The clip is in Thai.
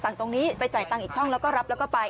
ตรงนี้ไปจ่ายตังค์อีกช่องแล้วก็รับแล้วก็ไป